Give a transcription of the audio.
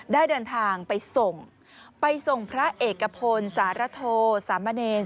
ได้เดินทางไปส่งไปส่งพระเอกพลสารโทสามเณร